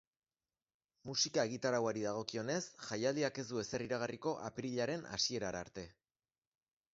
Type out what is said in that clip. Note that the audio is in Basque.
Musika egitarauari dagokionez, jaialdiak ez du ezer iragarriko apirilaren hasierara arte.